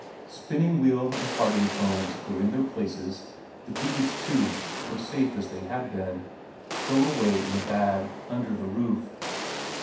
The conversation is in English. Spinning wheel and carding combs were in their place; the beads, too, were safe as they had been, stowed away in a bag under the roof.